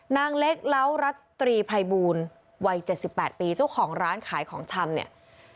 นางเล็กเล้ารัตรีภัยบูลวัย๗๘ปีเจ้าของร้านขายของชำเนี่ย